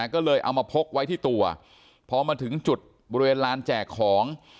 ก็เลยเอามาพกไว้ที่ตัวพอมาถึงจุดบริเวณลานแจกของ